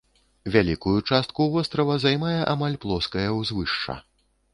Вялікую частку вострава займае амаль плоскае ўзвышша.